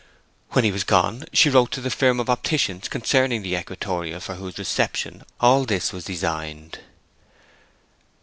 When he was gone she wrote to the firm of opticians concerning the equatorial for whose reception all this was designed.